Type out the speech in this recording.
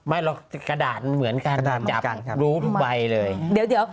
ไม่เรากระดาษเหมือนกันจับรูปใบเลย